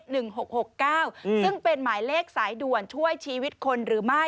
ซึ่งเป็นหมายเลขสายด่วนช่วยชีวิตคนหรือไม่